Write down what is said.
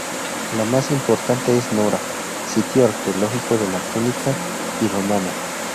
La más importante es Nora, sitio arqueológico de la púnica y romana.